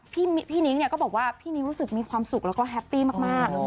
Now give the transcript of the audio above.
พี่นิ้งเนี่ยก็บอกว่าพี่นิ้งรู้สึกมีความสุขแล้วก็แฮปปี้มาก